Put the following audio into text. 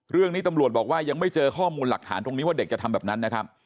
เรื่องนี้ตำรวจบอกว่ายังไม่ได้เจอข้อมูลหลักฐานว่าเด็กจะทำแบบนั้น